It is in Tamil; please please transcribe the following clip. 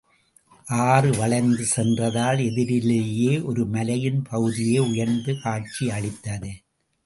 ஆறு வளைந்து சென்றதால் எதிரிலேயும் ஒரு மலையின் பகுதியே உயர்ந்து காட்சியளித்தது.